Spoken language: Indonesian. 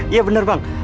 iya benar bang